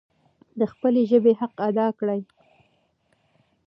د خپلې ژبي حق ادا کړئ.